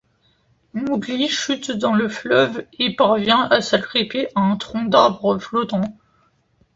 Mowgli chute dans le fleuve, et parvient à s'agripper à un tronc d'arbre flottant.